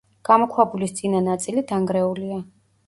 გამოქვაბულის წინა ნაწილი დანგრეულია.